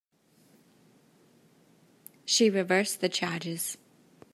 She reversed the charges.